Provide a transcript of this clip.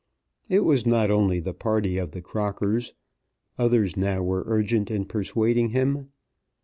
It was not only the party of the Crockers. Others now were urgent in persuading him.